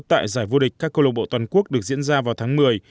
tại giải vua địch các cơ lộc bộ toàn quốc được diễn ra vào tháng một mươi